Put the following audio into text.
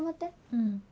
うん。